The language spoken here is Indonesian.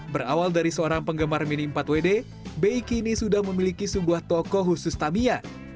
berawal dari seorang penggemar mini empat wd bey kini sudah memiliki sebuah toko khusus tamiya